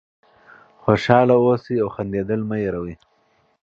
خوشحاله اوسئ او خندېدل مه هېروئ.